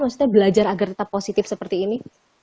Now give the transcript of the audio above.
maksudnya belajar agar tetap positif seperti ini